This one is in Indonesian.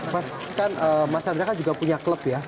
mas kan mas chandra juga punya klub ya